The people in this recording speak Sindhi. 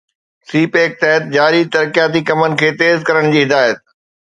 سي پيڪ تحت جاري ترقياتي ڪمن کي تيز ڪرڻ جي هدايت